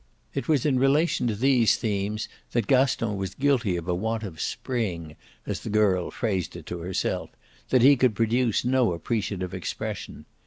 It was in relation to these themes that Gaston was guilty of a want of spring, as the girl phrased it to herself; that he could produce no appreciative expression.